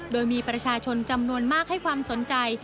โดยมีประชาชนจำนวนมากให้ความสนใจ